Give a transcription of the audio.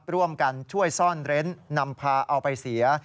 ร่วมกันช่วยซ่อนเร้นนำพาเอาไปเสีย